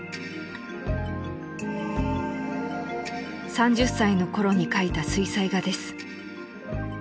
［３０歳の頃に描いた水彩画です］